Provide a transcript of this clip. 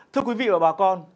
thưa quý vị và bà con